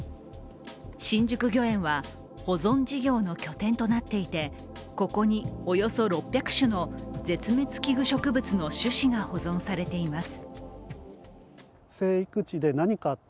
新宿御苑は保存事業の拠点となっていて、ここに、およそ６００種の絶滅危惧植物の種子が保存されています。